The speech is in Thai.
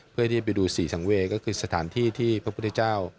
เพื่อที่ไปดูศรีสังเวย์ก็คือสถานที่ที่พระพุทธเจ้า